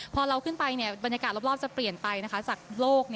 พอเราขึ้นไปบรรยากาศรอบจะเปลี่ยนไปจากโลก